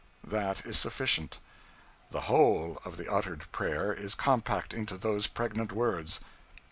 That is sufficient. The whole of the uttered prayer is compact into those pregnant words.